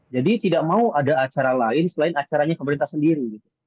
jadi tidak mau ada acara lain selain acaranya pemerintah sendiri